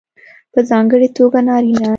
په ځانګړې توګه نارینه